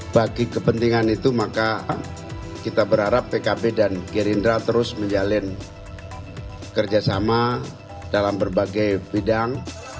bagi kepentingan itu maka kita berharap pkb dan gerindra terus menjalin kerjasama dalam berbagai bidang